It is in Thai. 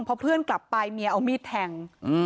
พอเพื่อนกลับไปเมียเอามีดแทง